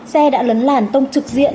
xe đã lấn làn tông trực diện